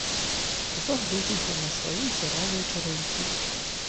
Загледзеўся на свае дзіравыя чаравікі.